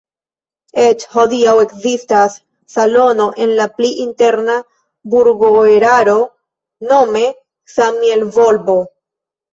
Eĉ hodiaŭ ekzistas salono en la pli interna burgoeraro nome "Samielvolbo".